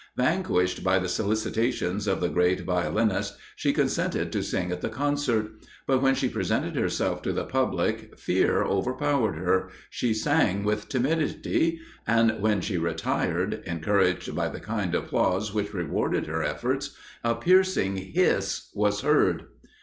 Vanquished by the solicitations of the great violinist, she consented to sing at the concert; but when she presented herself to the public, fear overpowered her she sang with timidity and when she retired, encouraged by the kind applause which rewarded her efforts, a piercing hiss was heard.